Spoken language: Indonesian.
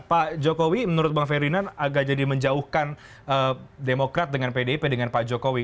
pak jokowi menurut bang ferdinand agak jadi menjauhkan demokrat dengan pdip dengan pak jokowi